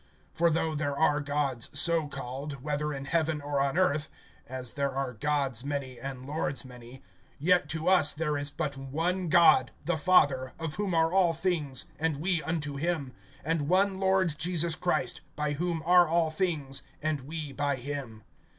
(5)For though there are gods so called, whether in heaven or on earth (as there are gods many, and lords many), (6)yet to us there is but one God, the Father, of whom are all things, and we unto him; and one Lord Jesus Christ, by whom are all things, and we by him.